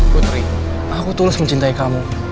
putri aku tulus mencintai kamu